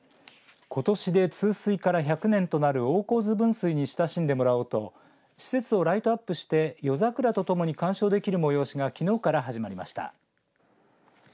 ことしで通水から１００年となる大河津分水に親しんでもらおうと施設をライトアップして夜桜とともに鑑賞できる催しがきのうから始まりました。